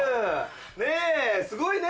ねぇすごいね！